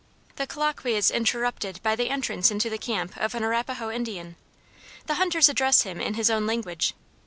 The colloquy is interrupted by the entrance into the camp of an Arapahoe Indian. The hunters address him in his own language.